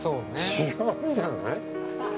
違うじゃない？